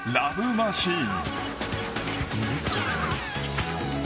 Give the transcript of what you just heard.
マシーン。